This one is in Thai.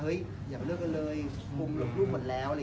เฮ้ยอย่าไปเลือกกันเลยคุมลูกหมดแล้ว